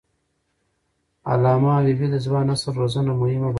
علامه حبيبي د ځوان نسل روزنه مهمه بلله.